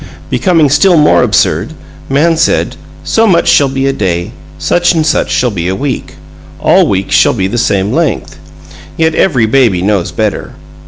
Becoming still more absurd, man said, "So much shall be a day; such and such shall be a week. All weeks shall be the same length." Yet every baby knows better!